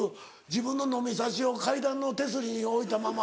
自分の飲みさしを階段の手すりに置いたまま。